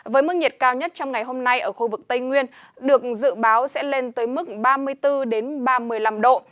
với mức nhiệt cao nhất trong ngày hôm nay ở khu vực tây nguyên được dự báo sẽ lên tới mức ba mươi bốn ba mươi năm độ